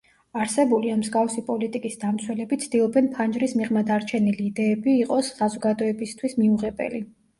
არსებული ან მსგავსი პოლიტიკის დამცველები ცდილობენ ფანჯრის მიღმა დარჩენილი იდეები იყოს საზოგადოებისთვის მიუღებელი.